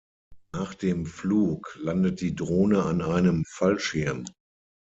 Nach dem Flug landet die Drohne an einem Fallschirm.